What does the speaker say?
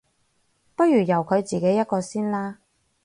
不如由佢自己一個先啦